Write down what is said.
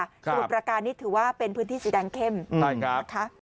สมุทรประการนี้ถือว่าเป็นพื้นที่สีแดงเข้มนะคะ